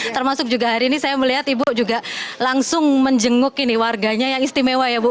termasuk juga hari ini saya melihat ibu juga langsung menjenguk ini warganya yang istimewa ya bu